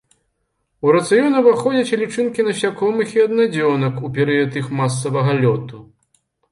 У рацыён уваходзяць і лічынкі насякомых і аднадзёнак ў перыяд іх масавага лёту.